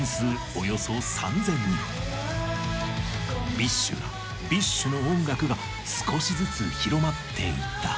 およそ３０００人 ＢｉＳＨ が ＢｉＳＨ の音楽が少しずつ広まっていった